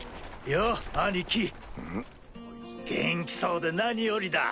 元気そうで何よりだ。